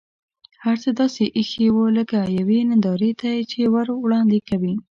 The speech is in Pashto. هر څه داسې اېښي و لکه یوې نندارې ته یې چې وړاندې کوي.